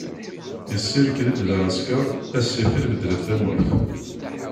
Isirkli-d lɛesker, a ssifil bedlet tamurt.